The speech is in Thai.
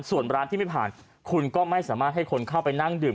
ส่วนร้านที่ไม่ผ่านคุณก็ไม่สามารถให้คนเข้าไปนั่งดื่ม